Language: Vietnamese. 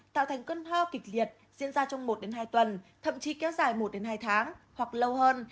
tạo thành cơn ho kịch liệt diễn ra trong một hai tuần thậm chí kéo dài một hai tháng hoặc lâu hơn